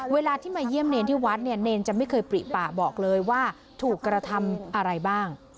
เวลาที่มาเยี่ยมเนรที่วัดเนี่ยเนรจะไม่เคยปริปะบอกเลยว่าถูกกระทำอะไรบ้าง